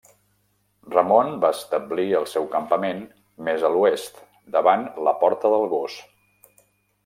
Ramon va establir el seu campament més a l'oest, davant la Porta del Gos.